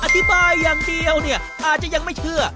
อธิบายอย่างเดียวเนี่ยอาจจะยังไม่เชื่อ